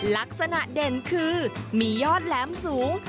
ลักษณะเด่นคือมียอดแหลมสูง